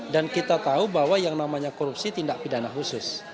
dan kita tahu bahwa yang namanya korupsi tindak pidana khusus